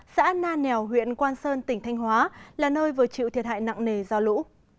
xã na nèo huyện quang sơn tỉnh thanh hóa là nơi vừa chịu thiệt hại nặng nề do lũ